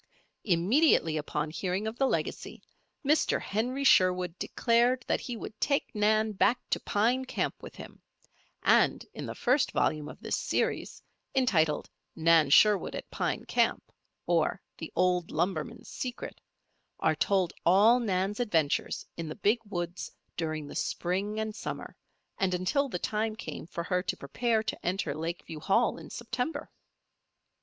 Immediately upon hearing of the legacy, Mr. Henry Sherwood declared he would take Nan back to Pine Camp with him, and in the first volume of this series, entitled "Nan Sherwood at Pine Camp, or, The Old Lumberman's Secret," are told all Nan's adventures in the Big Woods during the spring and summer, and until the time came for her to prepare to enter Lakeview Hall in September.